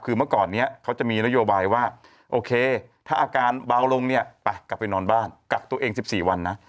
คือเมื่อก่อนนี้เขาจะมีนโยบายว่าโอเคถ้าอาการเบาลงเนี่ยไปกลับไปนอนบ้านกักตัวเอง๑๔วันนะ